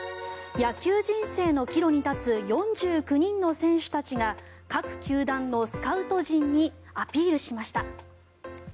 野球人生の岐路に立つ４９人の選手たちが各球団のスカウト陣にアピールしました。